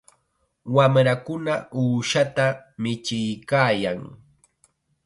Wamrakuna uushata michiykaayan.